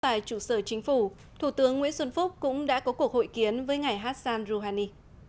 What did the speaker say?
tại trụ sở chính phủ thủ tướng nguyễn xuân phúc cũng đã có cuộc hội kiến với ngài hassan rouhani